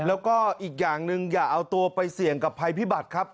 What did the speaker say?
แล้วก็อีกอย่างหนึ่งอย่าเอาตัวไปเสี่ยงกับภัยพิบัติครับ